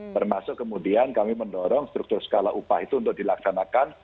termasuk kemudian kami mendorong struktur skala upah itu untuk dilaksanakan